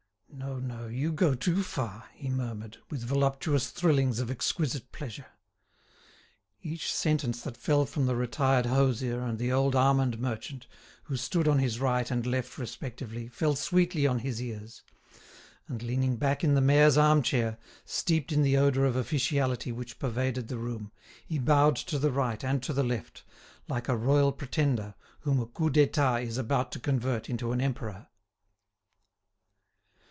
"No, no; you go too far," he murmured, with voluptuous thrillings of exquisite pleasure. Each sentence that fell from the retired hosier and the old almond merchant, who stood on his right and left respectively, fell sweetly on his ears; and, leaning back in the mayor's arm chair, steeped in the odour of officiality which pervaded the room, he bowed to the right and to the left, like a royal pretender whom a coup d'etat is about to convert into an emperor.